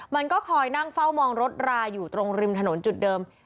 มันก็คอยนั่งเฝ้ามองรถราอยู่ตรงริมถนนจุดเดิม